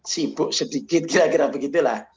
sibuk sedikit kira kira begitu lah